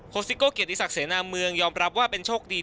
ซิโก้เกียรติศักดิเสนาเมืองยอมรับว่าเป็นโชคดี